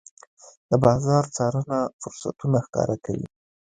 د بازار څارنه فرصتونه ښکاره کوي.